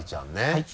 はい。